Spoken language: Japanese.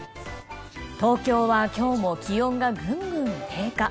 東京は今日も気温がぐんぐん低下。